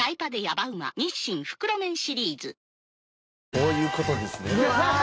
こういう事ですね。